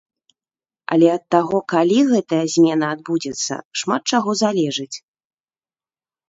Але ад таго, калі гэтая змена адбудзецца, шмат чаго залежыць.